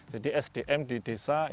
jadi sdm di desa